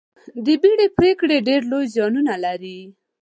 د بیړې پرېکړه ډېر لوی زیانونه لري.